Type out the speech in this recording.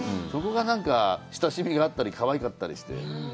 そこがなんか親しみがあったり、かわいかったりして。